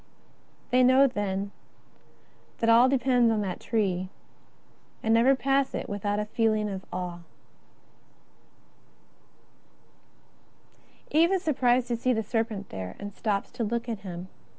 They know, then, all that depends on that tree, and never pass it without a feeling of awe. Eve is surprised to see the serpent there and stops to look at him.